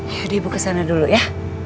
ayo deh ibu kesana dulu ya